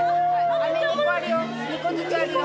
あめ２個あるよ。